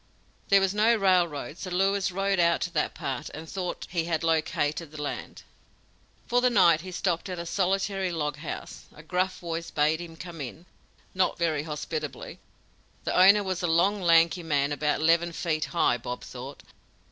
There was no railroad, so Lewis rode out to that part and thought he had located the land. For the night he stopped at a solitary log house. A gruff voice bade him come in, not very hospitably. The owner was a long, lanky man about eleven feet high, 'Bob' thought.